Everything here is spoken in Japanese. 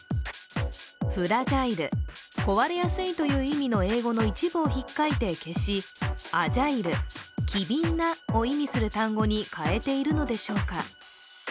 「フラジャイル」、壊れやすいという意味の英語の一部を引っかいて消し、「アジャイル」、機敏なを意味する単語に変えているのでしょうか。